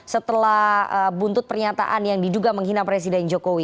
setelah buntut pernyataan yang diduga menghina presiden jokowi